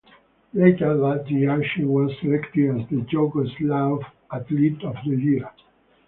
Later that year she was selected as the Yugoslav athlete of the year.